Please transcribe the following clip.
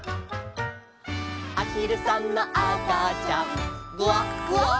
「あひるさんのあかちゃん」「グワグワ」